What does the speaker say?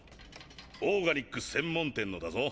オーガニック専門店のだぞ！